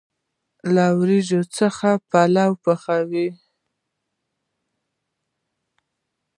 له وریجو څخه پلو پخیږي.